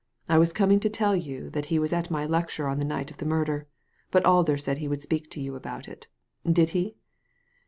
I was coming to tell you that he was at my lecture on the night of the murder, but Alder said he would speak to you about it Did he?"